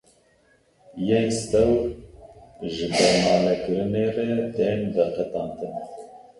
Yên stewr ji dermalekirinê re tên veqetandin.